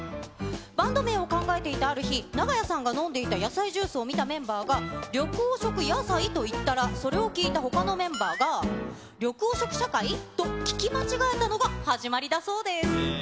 バンド名を考えていたある日、長屋さんが飲んでいた野菜ジュースを見たメンバーが、緑黄色野菜と言ったら、それを聞いたほかのメンバーが、緑黄色社会？と聞き間違えたのが始まりだそうです。